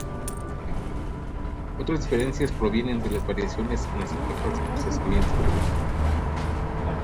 Otras diferencias provienen de las variaciones en las etapas de procesamiento.